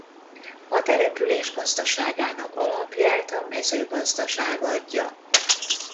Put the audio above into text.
A település gazdaságának alapját a mezőgazdaság adja.